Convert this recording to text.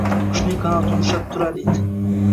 Qushning qanotini ushlab turar it —